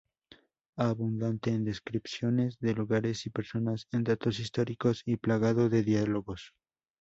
Abundante en descripciones de lugares y personas, en datos históricos y plagado de diálogos.